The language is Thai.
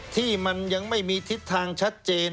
ที่มันยังไม่มีทิศทางชัดเจน